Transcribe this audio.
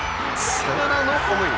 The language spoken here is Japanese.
サヨナラのホームイン。